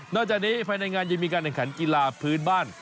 จากนี้ภายในงานยังมีการแข่งขันกีฬาพื้นบ้าน